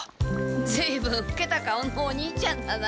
ずいぶんふけた顔のお兄ちゃんだな。